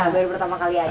baru pertama kali aja